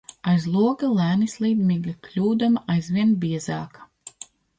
Aiz loga lēni slīd migla, kļūdama aizvien biezāka.